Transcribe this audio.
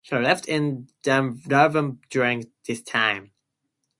He lived in Durban during this time.